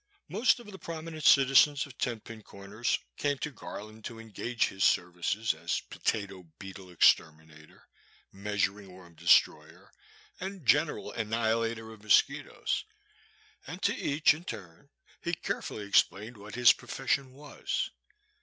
Most of the prominent citizens of Ten Pin Comers came to Garland to engage his services as potato beetle exterminator, measuring worm destroyer, and general annihilator of mosquitos, and to each in turn he carefully explained what his profession was.